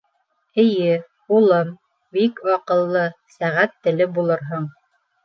— Эйе, улым, бик аҡыллы сәғәт теле булырһың.